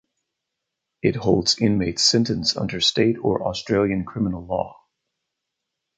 It holds inmates sentenced under State or Australian criminal law.